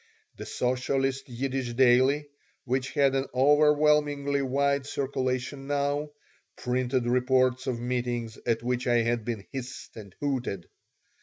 The socialist Yiddish daily, which had an overwhelmingly wide circulation now, printed reports of meetings at which I had been hissed and hooted.